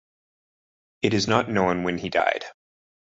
It is not known when he died.